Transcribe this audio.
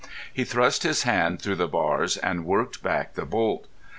He thrust his hand through the bars and worked back the bolt.